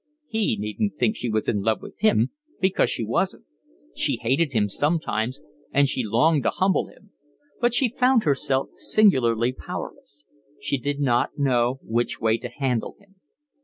He needn't think she was in love with him, because she wasn't. She hated him sometimes, and she longed to humble him; but she found herself singularly powerless; she did not know which way to handle him.